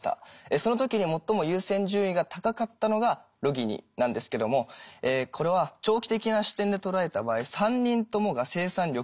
その時に最も優先順位が高かったのがロギニなんですけどもこれは長期的な視点で捉えた場合３人ともが生産力を持つマンパワー